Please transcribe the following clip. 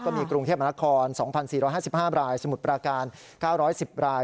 มีกรุงเทพมนาคม๒๔๕๕รายสมุทรปราการ๙๑๐ราย